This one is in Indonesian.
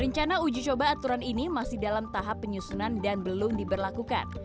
rencana uji coba aturan ini masih dalam tahap penyusunan dan belum diberlakukan